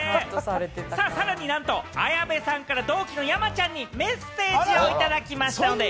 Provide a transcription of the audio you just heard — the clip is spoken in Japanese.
さらになんと綾部さんから同期の山ちゃんにメッセージをいただきました。